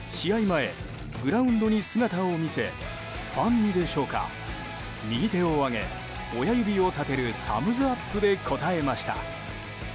前、グラウンドに姿を見せファンにでしょうか右手を上げ、親指を立てるサムズアップで応えました。